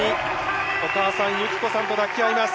お母さん、ゆきこさんと抱き合います。